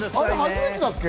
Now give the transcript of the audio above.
初めてだっけ？